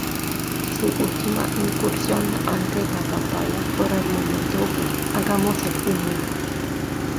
Su última incursión ante la pantalla por el momento fue "¡Hagamos el humor!